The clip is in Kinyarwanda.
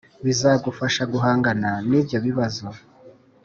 bizagufasha guhangana n’ibyo bibazo.